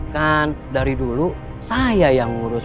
kan dari dulu saya yang ngurus